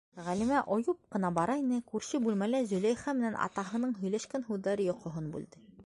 Ғәлимә ойоп ҡына бара ине, күрше бүлмәлә Зөләйха менән атаһының һөйләшкән һүҙҙәре йоҡоһон бүлде.